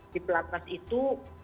di pelatnas itu